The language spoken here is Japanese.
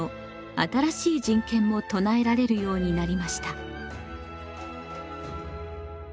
新しい人権も唱えられるようになりました。